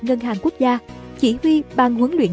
ngân hàng quốc gia chỉ huy bang huấn luyện